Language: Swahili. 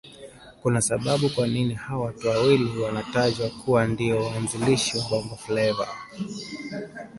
Kuna sababu kwanini hao watu wawili wanatajwa kuwa ndiyo waanzilishi wa Bongofleva